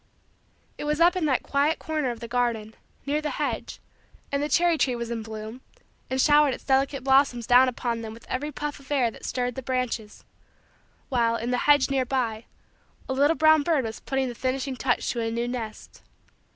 It was up in that quiet corner of the garden, near the hedge, and the cherry tree was in bloom and showered its delicate blossoms down upon them with every puff of air that stirred the branches; while, in the hedge nearby, a little brown bird was putting the finishing touch to a new nest.